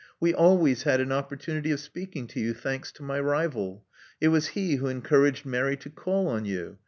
We always had an opportunity of speaking to you, thanks to my rival. It was he who encouraged Mary to call on you.